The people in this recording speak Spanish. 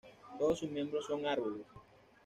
Todos sus miembros son árboles.